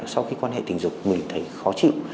sau khi quan hệ tình dục mình thấy khó chịu